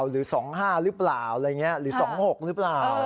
หรือ๒๕หรือเปล่าหรือ๒๖หรือเปล่า